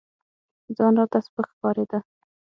ځان راته سپك ښكارېده.